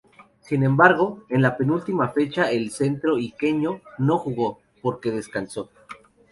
Sin embargo, en la penúltima fecha el Centro Iqueño no jugó, porque descansó.